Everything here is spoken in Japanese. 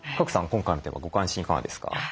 今回のテーマご関心いかがですか？